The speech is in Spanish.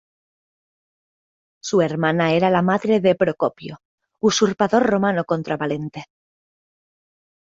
Su hermana era la madre de Procopio, usurpador romano contra Valente.